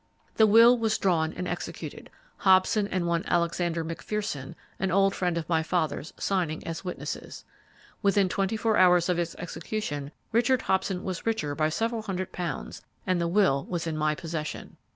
The will was drawn and executed, Hobson and one Alexander McPherson, an old friend of my father's, signing as witnesses. Within twenty four hours of its execution, Richard Hobson was richer by several hundred pounds, and the will was in my possession.